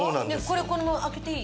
これこのまま開けていい？